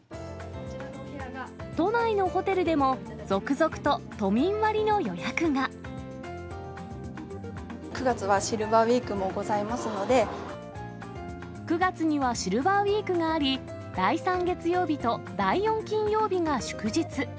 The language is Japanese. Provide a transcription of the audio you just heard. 都内のホテルでも、９月はシルバーウィークもご９月にはシルバーウィークがあり、第３月曜日と第４金曜日が祝日。